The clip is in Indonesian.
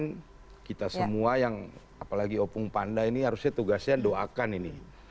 kita semua yang apalagi opung panda ini harusnya tugasnya doakan ini